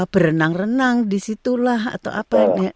berenang renang di situlah atau apa